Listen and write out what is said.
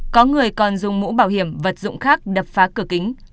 có người còn dùng mũ bảo hiểm vật dụng khác đập phá cửa kính